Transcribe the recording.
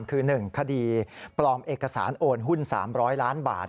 คือ๑คดีปลอมเอกสารโอนหุ้น๓๐๐ล้านบาท